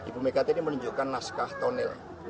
bumega tadi menunjukkan naskah tonel